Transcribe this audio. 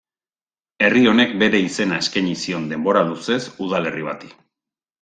Herri honek bere izena eskaini zion denbora luzez udalerri bati.